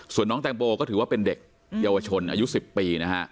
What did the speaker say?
ส่วนน้องแตงโมก็ถือว่าเป็นเด็กเยาวชนอายุ๑๐ปีนะฮะ